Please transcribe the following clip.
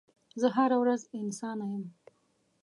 زه هره ورځ انسانه یم